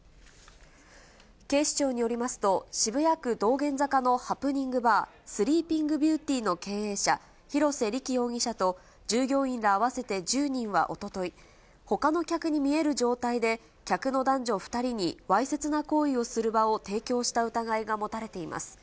警視庁によりますと、渋谷区道玄坂のハプニングバー、スリーピングビューティーの経営者、広瀬理基容疑者と、従業員ら合わせて１０人はおととい、ほかの客に見える状態で、客の男女２人にわいせつな行為をする場を提供した疑いが持たれています。